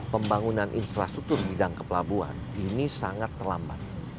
pembangunan infrastruktur bidang ke pelabuhan ini sangat terlambat